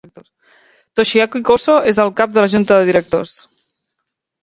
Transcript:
Toshiaki Koso és el cap de la junta de directors.